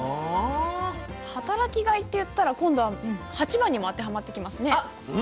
働きがいっていったら今度、８番にも当てはまってきますね。